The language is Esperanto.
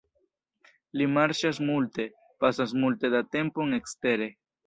Ili marŝas multe, pasas multe da tempon ekstere.